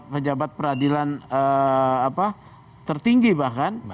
pejabat peradilan tertinggi bahkan